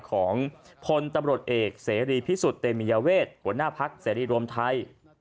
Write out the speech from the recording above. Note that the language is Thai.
ของพลตำรวจเอกเสรีพิสุทธิ์เตมียเวทหัวหน้าพักเสรีรวมไทย